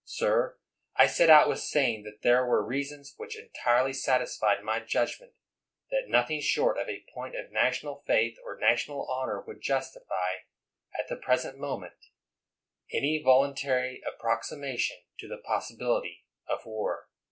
Sir, I set out with saying that there were reasons which entirely satisfied my judgment that nothing short of a point of national faith or national honor would justify, at the present mo ment, any voluntary approximation to the pos sibility of war.